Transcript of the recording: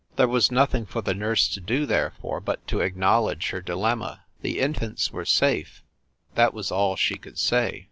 There was nothing for the nurse to do, therefore, but to acknowledge her dilemma. The infants were safe that was all she could say.